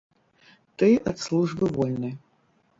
Ты ад службы вольны!